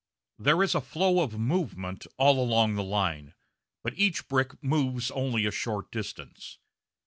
There is a flow of movement all along the line, but each brick moves only a short distance.